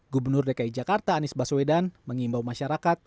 gubernur dki jakarta anies baswedan mengimbau masyarakat